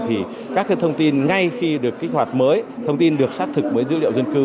thì các thông tin ngay khi được kích hoạt mới thông tin được xác thực với dữ liệu dân cư